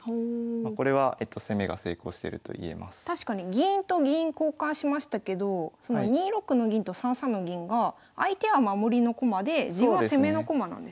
銀と銀交換しましたけど２六の銀と３三の銀が相手は守りの駒で自分は攻めの駒なんですね？